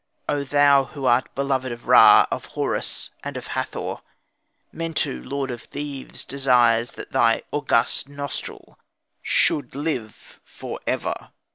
O thou who art beloved of Ra, of Horus, and of Hathor; Mentu, lord of Thebes, desires that thy august nostril should live for ever."